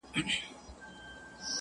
دا د غازیانو شهیدانو وطن-